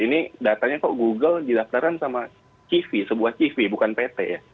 ini datanya kok google didaftaran sama cv sebuah cv bukan pt ya